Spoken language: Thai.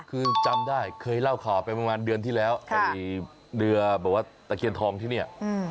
คือจำได้เคยเล่าข่าวไปประมาณเดือนที่แล้วไอ้เรือแบบว่าตะเคียนทองที่เนี่ย